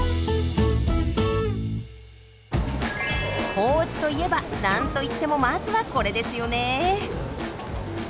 高知といえば何といってもまずはこれですよね。